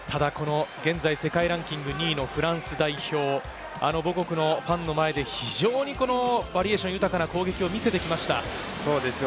現在世界ランキング２位のフランス代表、母国のファンの前で非常にバリエーション豊かな攻撃を見せてきました。